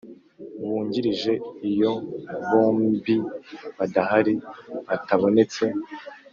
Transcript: wungirije Iyo bombi badahari batabonetse